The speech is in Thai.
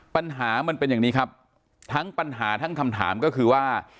ปัญหามันเป็นอย่างนี้ครับทั้งปัญหาทั้งคำถามก็คือว่า